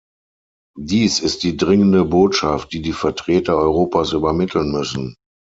Dies ist die dringende Botschaft, die die Vertreter Europas übermitteln müssen.